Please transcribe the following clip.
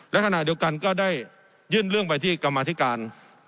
และขณะเดียวกันก็ได้ยื่นเรื่องไปที่กรรมาธิการ